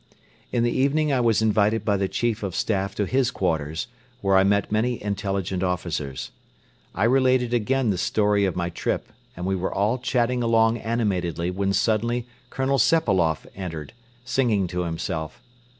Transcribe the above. In the evening I was invited by the Chief of Staff to his quarters, where I met many intelligent officers. I related again the story of my trip and we were all chatting along animatedly when suddenly Colonel Sepailoff entered, singing to himself.